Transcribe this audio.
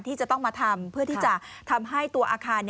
ที่จะต้องมาทำเพื่อที่จะทำให้ตัวอาคาร